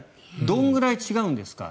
どのくらい違うんですか。